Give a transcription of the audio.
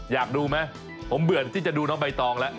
อยากดูไหมผมเบื่อนที่จะดูน้องใบตองแล้ว